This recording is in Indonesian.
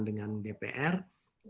menghadapi ini pembangunan